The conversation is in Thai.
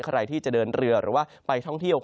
ใครที่จะเดินเรือหรือว่าไปท่องเที่ยว